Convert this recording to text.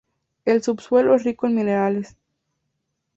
El subsuelo es rico en minerales.